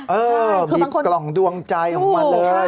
เออมีกล่องดวงใจของมันเลย